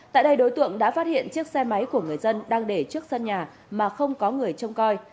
tại đây đối tượng đã phát hiện chiếc xe máy của người dân đang để trước sân nhà mà không có người trông coi